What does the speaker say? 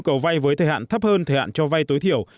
nếu nhu cầu vai với thời hạn thấp hơn thời hạn cho vai tối thiểu